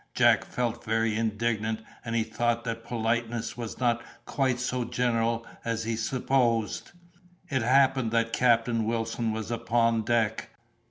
Jack felt very indignant, and he thought that politeness was not quite so general as he supposed. It happened that Captain Wilson was upon deck.